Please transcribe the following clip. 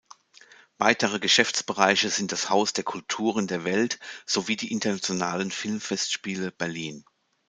Weitere Geschäftsbereiche sind das Haus der Kulturen der Welt sowie die Internationalen Filmfestspiele Berlin.